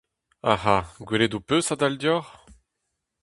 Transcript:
Ac'ha, gwelet ho peus a-dal deoc'h ?